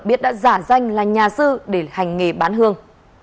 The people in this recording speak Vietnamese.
biết đã giả danh là nhà sư để hành nghề bán hương